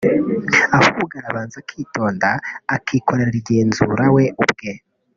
ahubwo arabanza akitonda akikorera igenzura we ubwe